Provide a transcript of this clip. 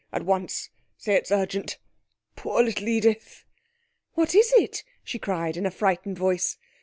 At once. Say it's urgent. Poor little Edith!' 'What is it?' she cried in a frightened voice.